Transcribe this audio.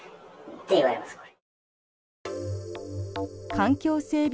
環境整備